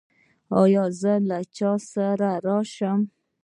ایا زه له چا سره راشم؟